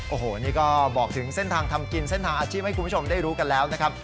โอ้โหนี่ก็บอกถึงเส้นทางทำกินเส้นทางอาชีพให้คุณผู้ชมได้รู้กันแล้วนะครับ